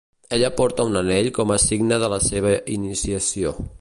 Ella porta un anell com a signe de la seva iniciació.